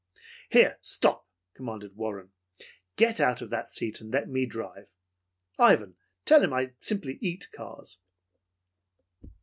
"Here, stop!" commanded Warren. "Get out of that seat and let me drive! Ivan, tell him I simply eat cars!"